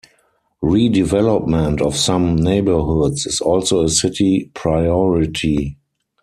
Redevelopment of some neighborhoods is also a city priority.